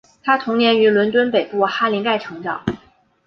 她童年于伦敦北部哈林盖成长。